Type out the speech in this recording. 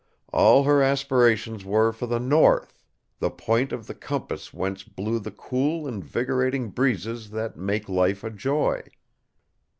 All her aspirations were for the North, the point of the compass whence blew the cool invigorating breezes that make life a joy.